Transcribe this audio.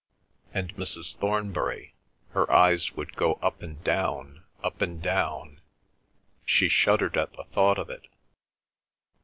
And Mrs. Thornbury—her eyes would go up and down, up and down—she shuddered at the thought of it.